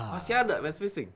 masih ada match fixing